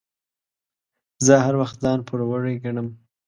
زه هر وخت ځان پوروړی ګڼم.